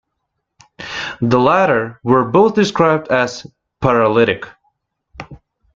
The latter were both described as "paralytic".